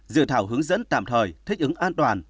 dự thảo hướng dẫn tạm thời thích ứng an toàn